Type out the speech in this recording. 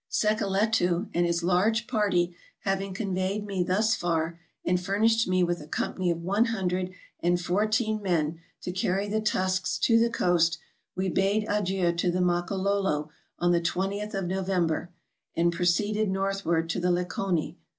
Sekeletu and his large party having conveyed me thus far, and furnished me with a company of one hundred and fourteen men to carry the tusks to the coast, we bade adieu to the Makololo on the twentieth of November and pro ceeded northward to the Lekone.